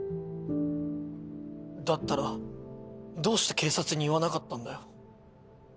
だったらどうして警察に言わなかったんだよ。